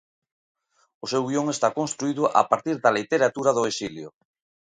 O seu guión está construído a partir da literatura do exilio.